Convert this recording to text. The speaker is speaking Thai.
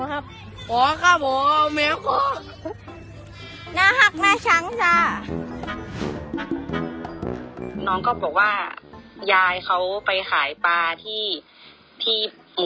ครับพ่อครับพ่อแมวน้องก็บอกว่ายายเขาไปขายปลาที่ที่